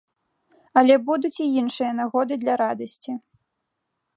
Але будуць і іншыя нагоды для радасці.